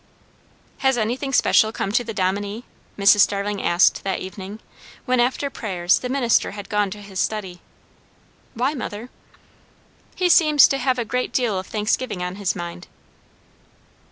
"Has anything special come to the Dominie?" Mrs. Starling asked that evening, when after prayers the minister had gone to his study. "Why, mother?" "He seems to have a great deal of thanksgiving on his mind!"